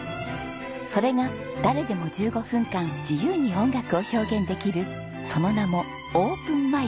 それが誰でも１５分間自由に音楽を表現できるその名も「オープンマイク」。